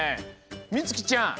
みつきちゃん！